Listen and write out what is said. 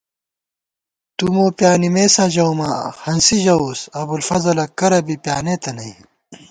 تُو مو پیا نِمېسا ژَوُماں ہنسی ژَوُس ابُوالفضلَہ کرہ بی پیانېتہ نئ